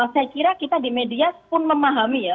saya kira kita di media pun memahami ya